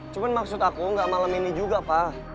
cuma maksud aku nggak malam ini juga pak